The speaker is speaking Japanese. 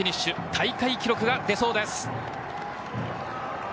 大会記録が出そうです。